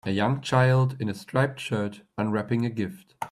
A young child in a striped shirt unwrapping a gift.